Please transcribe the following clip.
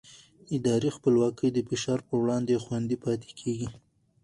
اداري خپلواکي د فشار پر وړاندې خوندي پاتې کېږي